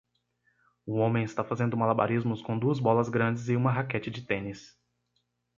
Um homem está fazendo malabarismos com duas bolas grandes e uma raquete de tênis.